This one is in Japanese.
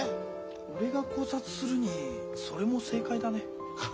俺が考察するにそれも正解だね。